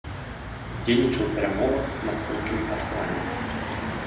Удзельнічаў у перамовах з маскоўскімі пасламі.